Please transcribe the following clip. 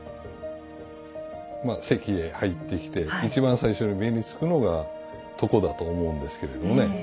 席へ入ってきて一番最初に目につくのが床だと思うんですけれどもね。